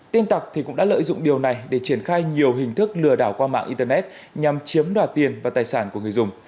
tin tặc cũng đã lợi dụng điều này để triển khai nhiều hình thức lừa đảo qua mạng internet nhằm chiếm đoạt tiền và tài sản của người dùng